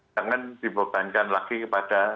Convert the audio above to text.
jangan dibebankan lagi kepada